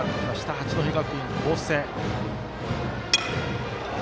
八戸学院光星。